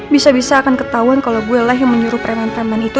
bisa bisa akan ketahuan kalau gue lah yang menyuruh preman premen itu